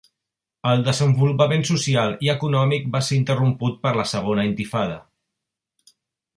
El desenvolupament social i econòmic va ser interromput per la Segona Intifada.